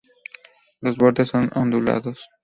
Los bordes son ondulados.